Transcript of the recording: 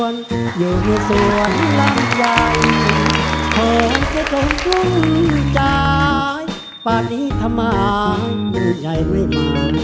ร้องได้ให้ร้าง